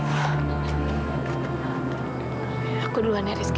aku duluan ya rizky